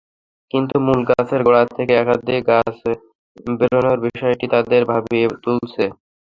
কিন্তু মূল গাছের গোড়া থেকে একাধিক গাছ বেরোনোর বিষয়টি তাঁদের ভাবিয়ে তুলেছে।